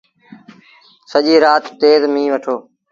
سڄيٚ رآت تيز ميݩهن وٺو۔